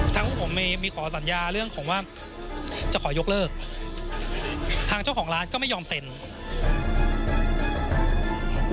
พวกผมมีขอสัญญาเรื่องของว่าจะขอยกเลิกทางเจ้าของร้านก็ไม่ยอมเซ็น